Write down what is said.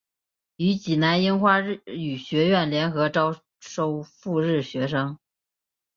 与济南樱花日语学校联合招收赴日学生。